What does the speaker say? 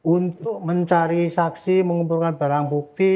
untuk mencari saksi mengumpulkan barang bukti